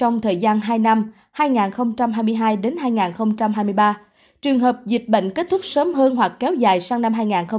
năm hai nghìn hai mươi hai hai nghìn hai mươi ba trường hợp dịch bệnh kết thúc sớm hơn hoặc kéo dài sang năm hai nghìn hai mươi bốn